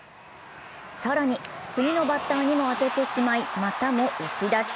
更に、次のバッターにも当ててしまい、またも押し出し。